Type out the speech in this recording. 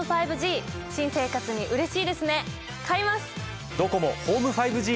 新生活にうれしいですね買います！